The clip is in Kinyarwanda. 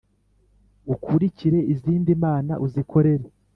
ukurikire izindi mana uzikorere